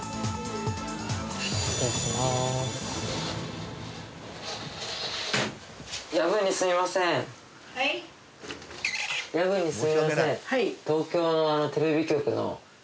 失礼します